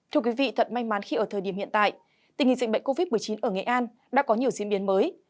thưa quý vị thật may mắn khi ở thời điểm hiện tại tình hình dịch bệnh covid một mươi chín ở nghệ an đã có nhiều diễn biến mới